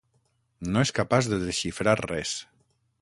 No és capaç de desxifrar res.